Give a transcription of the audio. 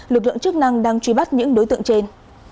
lực lượng chức năng đang truy bắt những đối tượng trên